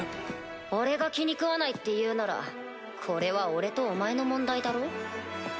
俺が気に食わないっていうならこれは俺とお前の問題だろ？